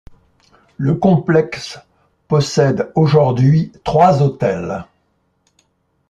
Le complexe possède aujourd'hui trois hôtels.